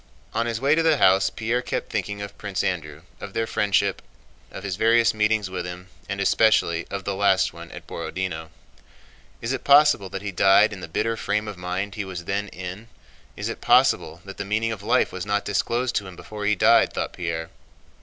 On his way to the house Pierre kept thinking of Prince Andrew, of their friendship, of his various meetings with him, and especially of the last one at Borodinó. "Is it possible that he died in the bitter frame of mind he was then in? Is it possible that the meaning of life was not disclosed to him before he died?" thought Pierre.